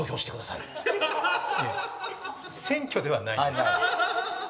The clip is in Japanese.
いや、選挙ではない。